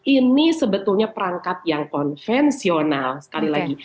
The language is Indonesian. ini sebetulnya perangkat yang konvensional sekali lagi